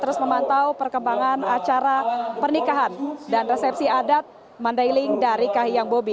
terus memantau perkembangan acara pernikahan dan resepsi adat mandailing dari kahiyang bobi